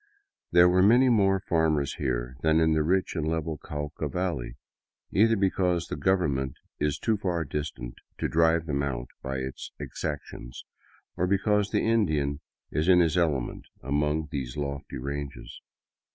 There were many more farmers here than in the rich and level Cauca valley, either because the government is too far distant to drive them out by its exactions, or because the In dian is in his element among these lofty ranges.